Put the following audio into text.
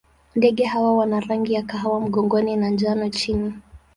Ndege hawa wana rangi ya kahawa mgongoni na njano chini.